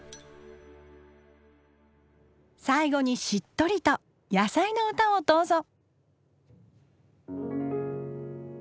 最後にしっとりと野菜の歌をどうぞ。